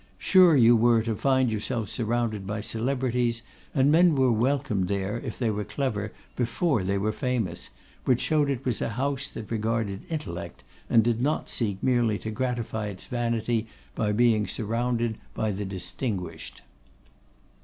Sure you were to find yourself surrounded by celebrities, and men were welcomed there, if they were clever, before they were famous, which showed it was a house that regarded intellect, and did not seek merely to gratify its vanity by being surrounded by the distinguished.